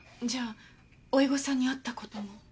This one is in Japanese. じゃあ甥御さんに会った事も？